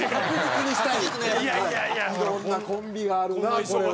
いろんなコンビがあるなこれは。